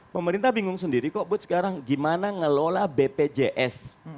pemerintah bingung sendiri kok bu sekarang gimana ngelola bpjs